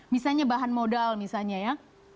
misalnya bahan modal misalnya ya